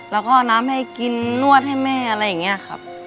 แล้วก็เอาน้ำให้กินนวดให้แม่อะไรอย่างนี้ครับ